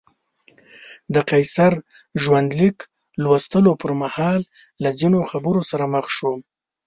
د قیصر ژوندلیک لوستلو پر مهال له ځینو خبرو سره مخ شوم.